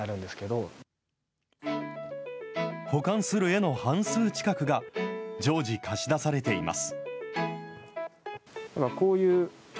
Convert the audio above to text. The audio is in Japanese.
保管する絵の半数近くが、常時貸し出されています。